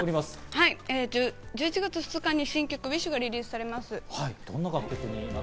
はい、１１月２日に新曲『Ｗｉｓｈ』がリリースされます。